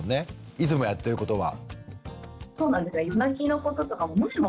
いつもやってることは。